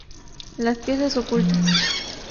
Las piezas ocultas.